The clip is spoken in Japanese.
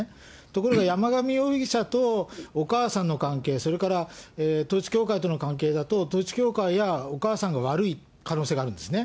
ところが山上容疑者とお母さんの関係、それから統一教会との関係だと、統一教会やお母さんが悪い可能性があるんですね。